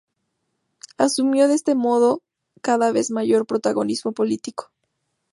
Asumió de este modo cada vez mayor protagonismo político.